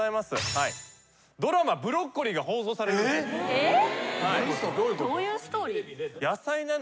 えっ！？